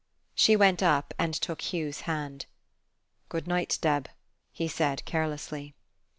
She went up and took Hugh's hand. "Good night, Deb," he said, carelessly.